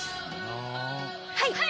はい！